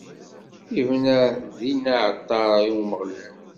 Ibna dinna aɛalṭar i Umeɣlal.